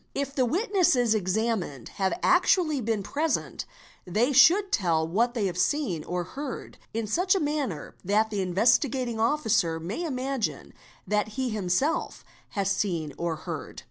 If the witnesses examined have actually been — present, they should tell what they have seen or heard in such a manner ~ that the Investigating Officer may imagine that he himself has seen or heard.